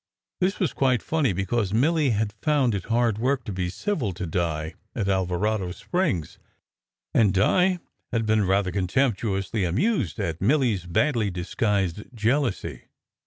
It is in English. This was quite funny, because Milly had found it hard work to be civil to Di at Alvarado Springs, and Di had been rather contemptuously amused at Milly s badly disguised jealousy.